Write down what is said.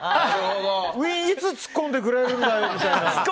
ウィン、いつツッコんでくれるんだよみたいな。